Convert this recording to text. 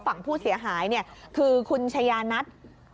ผ่านผู้เสียหายคือคุณชญ์ยานัท